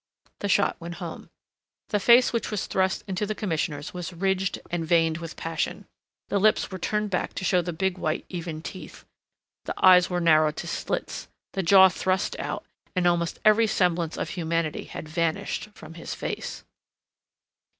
The shot went home. The face which was thrust into the Commissioner's was ridged and veined with passion. The lips were turned back to show the big white even teeth, the eyes were narrowed to slits, the jaw thrust out, and almost every semblance of humanity had vanished from his face.